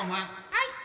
はい。